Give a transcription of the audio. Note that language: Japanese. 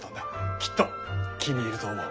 きっと気に入ると思う。